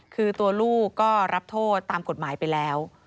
คือตัวลูกก็รับโทษตามกฎหมายไปแล้ว